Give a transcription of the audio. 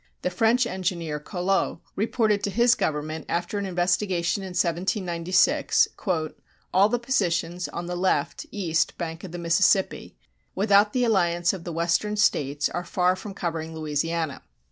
The French engineer Collot reported to his government after an investigation in 1796: All the positions on the left [east] bank of the Mississippi ... without the alliance of the Western states are far from covering Louisiana.